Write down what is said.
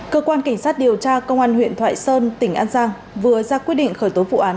cơ quan cảnh sát điều tra công an huyện thoại sơn tỉnh an giang vừa ra quyết định khởi tố vụ án